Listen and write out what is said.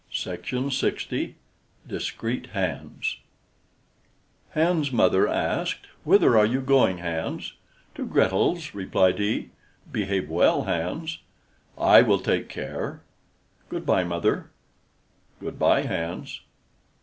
DISCREET HANS Hans's mother asked: "Whither are you going, Hans?" "To Grethel's," replied he. "Behave well, Hans." "I will take care; good by, mother." "Good by, Hans."